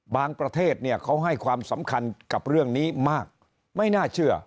ประเทศเนี่ยเขาให้ความสำคัญกับเรื่องนี้มากไม่น่าเชื่อ